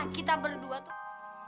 kita berdua tuh